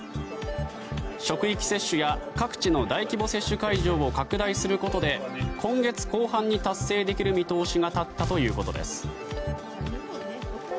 職域接種や各地の大規模接種会場を拡大することで今月後半に達成できる見通しが立ったということです。